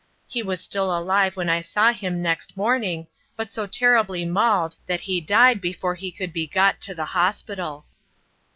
He was still alive when I saw him next morning, but so terribly mauled that he died before he could be got to the hospital.